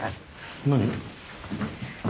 何？